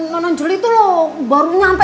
nonanjel itu loh baru nyampe